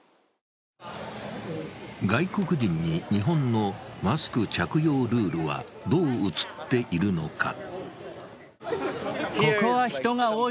外国人に日本のマスク着用ルールはどう映っているのか。